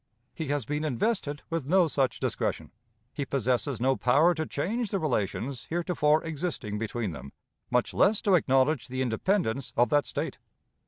He has been invested with no such discretion. He possesses no power to change the relations heretofore existing between them, much less to acknowledge the independence of that State.